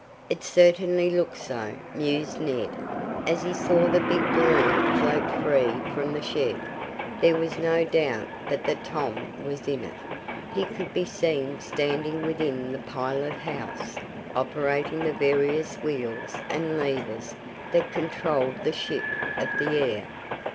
"It certainly looks so," mused Ned, as he saw the big balloon float free from the shed. There was no doubt but that Tom was in it. He could be seen standing within the pilot house, operating the various wheels and levers that controlled the ship of the air.